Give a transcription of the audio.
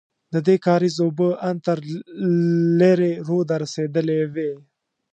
ددې کارېز اوبه ان تر لېرې روده رسېدلې وې.